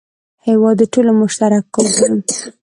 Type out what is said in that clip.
هېواد د ټولو مشترک کور دی.